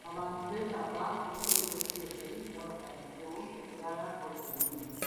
Abantu beetaaga okutereka ssente era batandikewo emidaala bo bennyini.